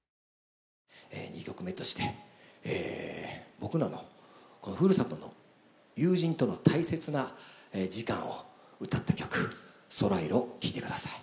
２曲目として僕らのこのふるさとの友人との大切な時間を歌った曲「そらいろ」を聴いて下さい。